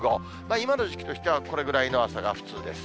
今の時期としてはこれぐらいの朝が普通です。